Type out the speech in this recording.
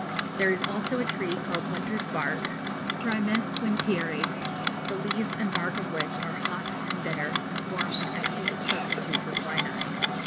There is also a tree called Winter's Bark (Drimys Winteri), the leaves and bark of which are hot and bitter, and form an excellent substitute for quinine.